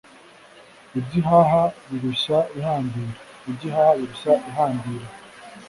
ibyo ihaha birushya ihambira. [iby'ihaha birushya ihambira.